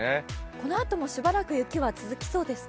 このあともしばらく雪は続きそうですか？